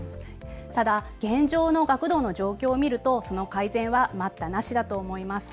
ただ現状の学童の状況を見るとその改善は待ったなしだと思います。